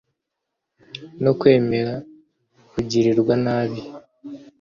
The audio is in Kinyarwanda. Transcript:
no kwemera kugirirwa nabi